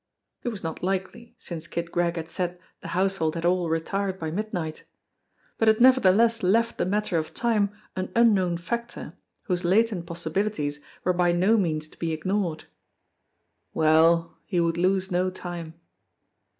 It was not likely, since Kid Gregg had said the household had all retired by midnight; but it nevertheless left the matter of time an unknown factor whose latent possibilities were by no means to be ignored. Well, he would lose no time!